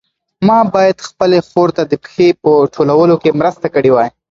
ما باید خپلې خور ته د پنبې په ټولولو کې مرسته کړې وای.